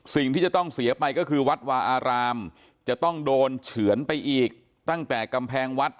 สิ่งที่จะต้องเสียไปก็คือวัดวาอารามจะต้องโดนเฉือนไปอีกตั้งแต่กำแพงวัด